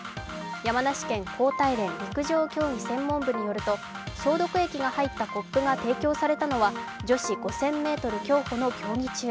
山梨県高体陸上競技専門部によると、消毒液が入ったコップが提供されたのは女子５０００ｍ競歩の競技中。